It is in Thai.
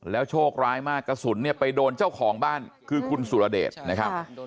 โชคร้ายมากกระสุนเนี่ยไปโดนเจ้าของบ้านคือคุณสุรเดชนะครับ